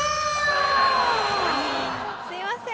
すいません！